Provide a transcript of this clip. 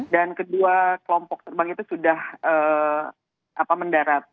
dan kedua kelompok terbang itu sudah mendarat